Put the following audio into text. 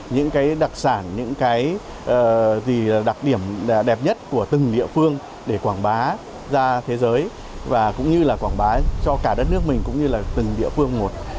những cái đặc sản những cái đặc điểm đẹp nhất của từng địa phương để quảng bá ra thế giới và cũng như là quảng bá cho cả đất nước mình cũng như là từng địa phương một